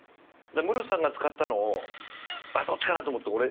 ムロさんが使ったのをあっどっちかな？と思って俺左でしょ。